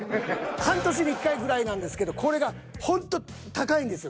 半年に１回ぐらいなんですけどこれがほんと高いんですよ